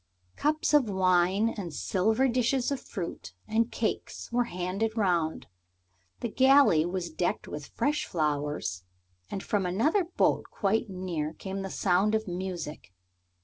Cups of wine and silver dishes of fruit and cakes were handed round: the galley was decked with fresh flowers, and from another boat quite near came the sound of music.